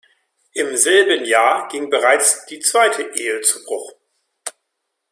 Im selben Jahr ging bereits die zweite Ehe zu Bruch.